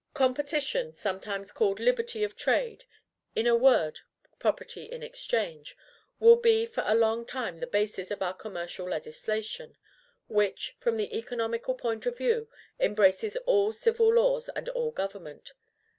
Competition, sometimes called liberty of trade, in a word, property in exchange, will be for a long time the basis of our commercial legislation; which, from the economical point of view, embraces all civil laws and all government.